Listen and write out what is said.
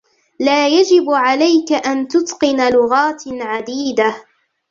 لا يجب عليك أن تتقن لغات عديدة.